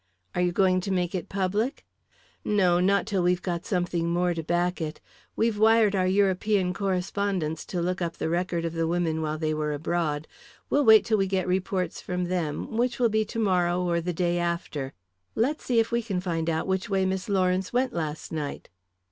"Are you going to make it public?" "No, not till we've something more to back it. We've wired our European correspondents to look up the record of the women while they were abroad. We'll wait till we get reports from them, which will be to morrow or the day after. Let's see if we can find out which way Miss Lawrence went last night."